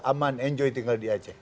aman enjoy tinggal di aceh